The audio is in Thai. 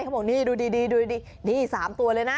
เขาบอกนี่ดูดินี่๓ตัวเลยนะ